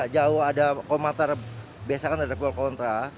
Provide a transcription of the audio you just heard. jauh ada komentar biasanya ada gol kontra